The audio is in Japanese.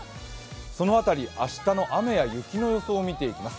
その辺り明日の雨や雪の予想を見ていきます。